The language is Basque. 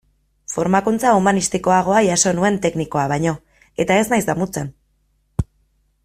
Formakuntza humanistikoagoa jaso nuen teknikoa baino, eta ez naiz damutzen.